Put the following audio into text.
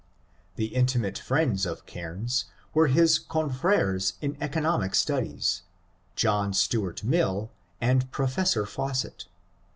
The intimate friends of Caimes were his confreres in economic studies, — John Stuart Mill and Professor Fawcett.